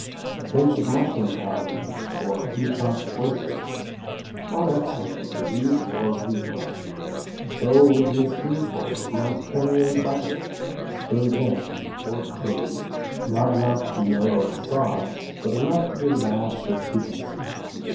A pinch of mushroom powder, or a few chopped oysters, are excellent with beef or veal; so will be a spoonful of Montpellier butter stirred in, or curry, not enough to yellow the sauce, but enough to give a dash of piquancy.